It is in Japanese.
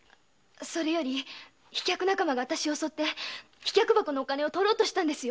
それより飛脚仲間があたしを襲って飛脚箱のお金を奪おうとしたんです。